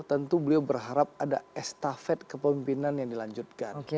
tentu beliau berharap ada estafet kepemimpinan yang dilanjutkan